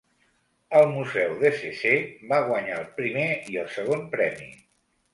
Al Museu De Saisset va guanyar el primer i el segon premi.